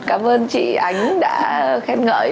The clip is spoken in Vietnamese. cảm ơn chị ánh đã khét ngợi